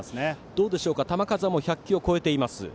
どうでしょう球数はもう１００球を超えています。